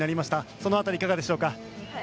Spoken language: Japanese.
その辺り、いかがでしょうか。